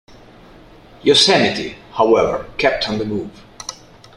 "Yosemite", however, kept on the move.